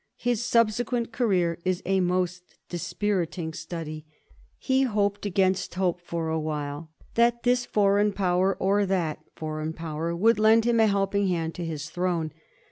His subsequent career is a most dispiriting study. He hoped against hope for a while that this foreign power or that foreign power would lend him a helping hand to his throne.